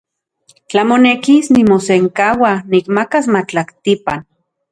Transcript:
Tla monekis, nimosenkaua nikmakas matlaktipan.